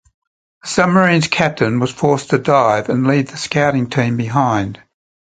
The submarine's captain was forced to dive and leave the scouting team behind.